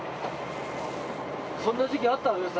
そんな時期あったの？